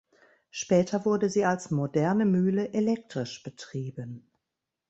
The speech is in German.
Später wurde sie als „moderne Mühle“ elektrisch betrieben.